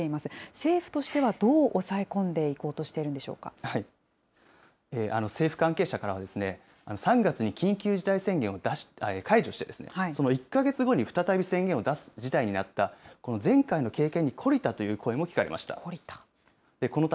政府としてはどう抑え込んでいこうと政府関係者からは、３月に緊急事態宣言を解除して、その１か月後に再び宣言を出す事態になった、この前回の経験に懲りたという声も聞かれました。